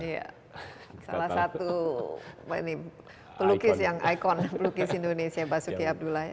iya salah satu pelukis yang ikon pelukis indonesia basuki abdullah ya